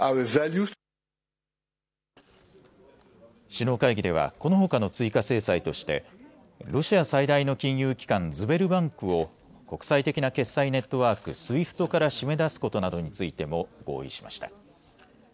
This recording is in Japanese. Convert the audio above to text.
首脳会議ではこのほかの追加制裁としてロシア最大の金融機関、ズベルバンクを国際的な決済ネットワーク、ＳＷＩＦＴから締め出すことなどについても合意しました。